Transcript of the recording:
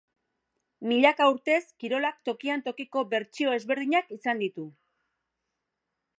Milaka urtez kirolak tokian tokiko bertsio ezberdinak izan ditu.